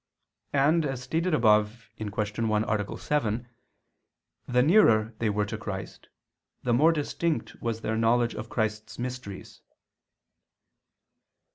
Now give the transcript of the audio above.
And, as stated above (Q. 1, A. 7), the nearer they were to Christ, the more distinct was their knowledge of Christ's mysteries.